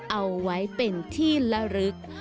เอาไว้เป็นที่ละลึก